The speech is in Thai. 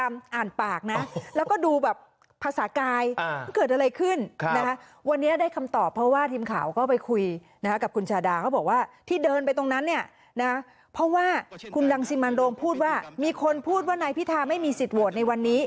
๑๔ล้านคนไม่ได้เลือกโดยความรักอย่างนี้แต่เลือกโดยความภูมิภาคสุดเชื่อ